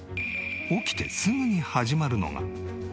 起きてすぐに始まるのが。